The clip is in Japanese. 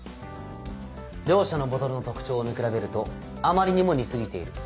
両社のボトルの特徴を見比べるとあまりにも似過ぎている。